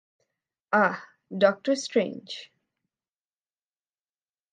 Ah, Doctor strange?